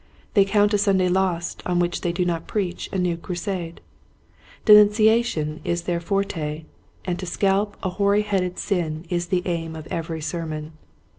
They count a Sunday lost on which they do not preach a new crusade. Denuncia tion is their forte, and to scalp a hoary headed sin is the aim of every sermon.